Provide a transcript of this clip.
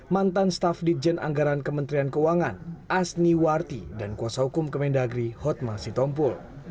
mantan staf ditjen anggaran kementerian keuangan asni warti dan kuasa hukum kemendagri hotma sitompul